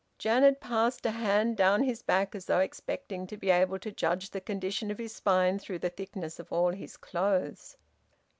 Janet passed a hand down his back, as though expecting to be able to judge the condition of his spine through the thickness of all his clothes.